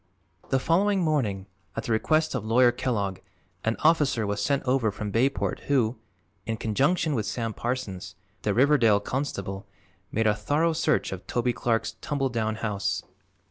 The following morning, at the request of Lawyer Kellogg, an officer was sent over from Bayport who, in conjunction with Sam Parsons, the Riverdale constable, made a thorough search of Toby Clark's tumble down house.